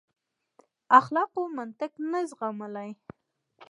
اخلاقو منطق نه زغملای.